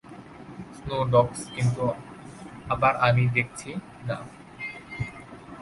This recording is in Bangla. স্নো ডগস কিন্তু আবার আমি দেখছি না।